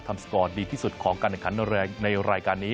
ทำสกอร์ดดีที่สุดของการเนินคันในรายการนี้